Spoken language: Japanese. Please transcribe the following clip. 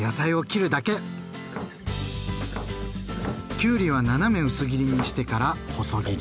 きゅうりは斜め薄切りにしてから細切り。